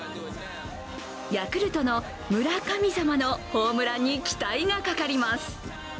ヤクルトの村神様のホームランに期待がかかります。